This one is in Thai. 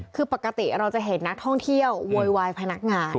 คือปกติเราจะเห็นนักท่องเที่ยวโวยวายพนักงาน